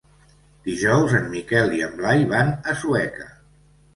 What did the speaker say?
Dijous en Miquel i en Blai van a Sueca.